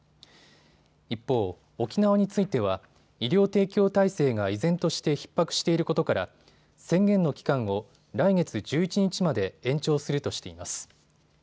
一方、沖縄については医療提供体制が依然としてひっ迫していることから宣言の期間を来月１１日まで延長するとしています。